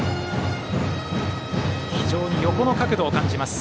非常に横の角度を感じます。